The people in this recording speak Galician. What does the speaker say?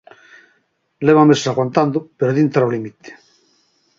Levan meses aguantando, pero din estar ao límite.